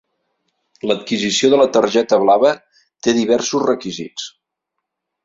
L'adquisició de la targeta blava té diversos requisits.